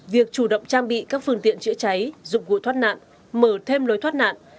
việc chủ động trang bị các phương tiện chữa cháy dụng cụ thoát nạn mở thêm lối thoát nạn